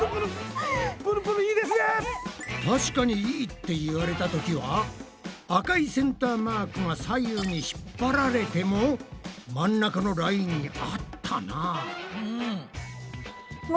たしかにいいって言われたときは赤いセンターマークが左右に引っ張られても真ん中のラインにあったなぁ。